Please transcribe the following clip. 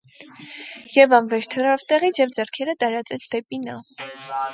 Եվան վեր թռավ տեղից և ձեռքերը տարածեց դեպի նա: